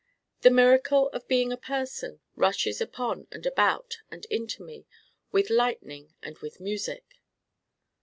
The miracle of being a person rushes upon and about and into me 'with lightning and with music.